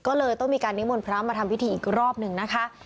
ก็เลยต้องมีการนิมนต์พระมาทำพิธีอีกรอบหนึ่งนะคะ